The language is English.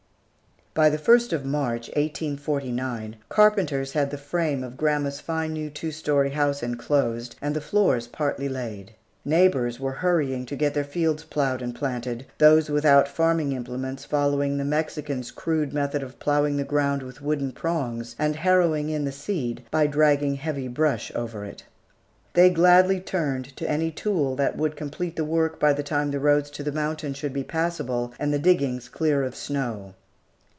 By the first of March, 1849, carpenters had the frame of grandma's fine new two story house enclosed, and the floors partly laid. Neighbors were hurrying to get their fields ploughed and planted, those without farming implements following the Mexican's crude method of ploughing the ground with wooden prongs and harrowing in the seed by dragging heavy brush over it. They gladly turned to any tool that would complete the work by the time the roads to the mountains should be passable, and the diggings clear of snow.